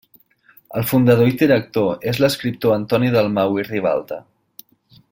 El fundador i director és l'escriptor Antoni Dalmau i Ribalta.